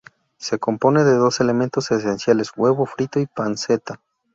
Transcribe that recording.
Se compone de dos elementos esenciales: huevo frito y panceta.